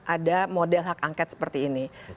ada model hak angket seperti ini